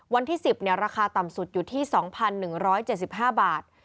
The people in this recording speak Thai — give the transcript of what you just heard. วันที่๑๐ราคาต่ำสุดอยู่ที่๒๑๗๕บาท